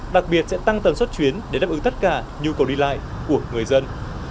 đặc biệt sẽ tăng tần suất chuyến để đáp ứng tất cả nhu cầu đi lại của người dân